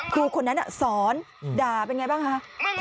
ครูคนนั้นน่ะสอนด่าเป็นอย่างไรบ้างค่ะ